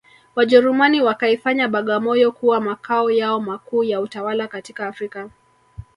Wajerumani wakaifanya Bagamoyo kuwa makao yao makuu ya utawala katika Afrika